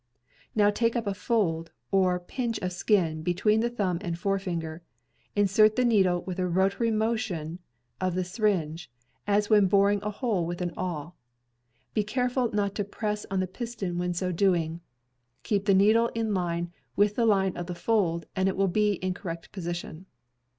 Now take up a fold or pinch of skin between the thumb and forefinger, insert the needle with a rotary motion of the syringe, as when boring a hole with an awl, being careful not to press on the piston while so doing. Keep the needle in a line with the line of the fold and it will be in correct position.